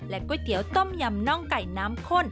ก๋วยเตี๋ยวต้มยำน่องไก่น้ำข้น